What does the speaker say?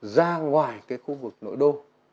ra ngoài cái khu vực nội đô